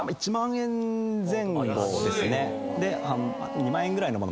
２万円ぐらいの物も。